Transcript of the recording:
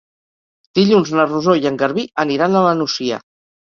Dilluns na Rosó i en Garbí aniran a la Nucia.